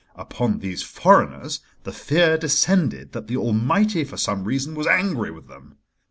Upon these foreigners the fear descended that the Almighty, for some reason, was angry with them.